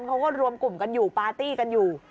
เขาก็รวมกลุ่มกันอยู่ปาร์ตี้กันอยู่